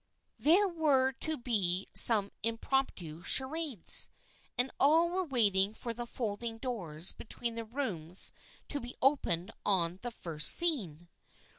There were to be some impromptu charades, and all were waiting for the folding doors between the rooms to be opened on the first scene.